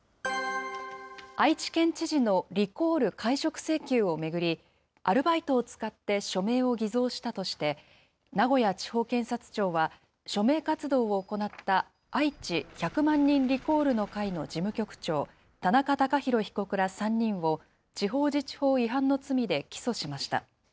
愛知県知事のリコール・解職請求を巡り、アルバイトを使って署名を偽造したとして、名古屋地方検察庁は、署名活動を行った、愛知１００万人リコールの会の事務局長、田中孝博被告ら３人を、地方自治法違反の罪で起訴しました。